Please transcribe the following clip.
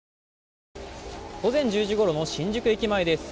午前１０時ごろの新宿駅前です。